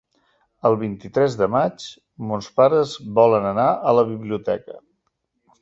El vint-i-tres de maig mons pares volen anar a la biblioteca.